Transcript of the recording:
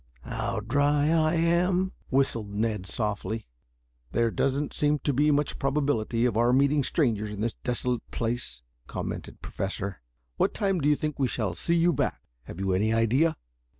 "Oh, how dry I am," whistled Ned softly. "There doesn't seem to be much probability of our meeting strangers in this desolate place," commented the Professor. "What time do you think we shall see you back? Have you any idea?"